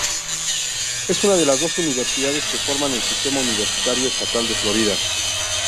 Es una de las doce universidades que forman el sistema universitario estatal de Florida.